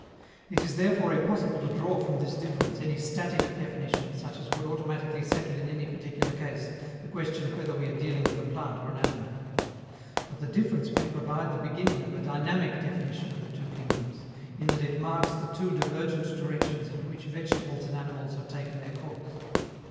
It is therefore impossible to draw from this difference any static definition such as would automatically settle in any particular case the question whether we are dealing with a plant or an animal. But the difference may provide the beginning of a dynamic definition of the two kingdoms, in that it marks the two divergent directions in which vegetables and animals have taken their course.